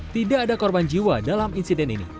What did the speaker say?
tidak ada korban jiwa dalam insiden ini